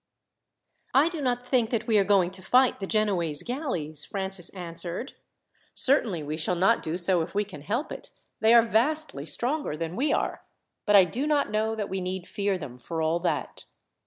"I do not think that we are going to fight the Genoese galleys," Francis answered. "Certainly we shall not do so if we can help it. They are vastly stronger than we are; but I do not know that we need fear them for all that."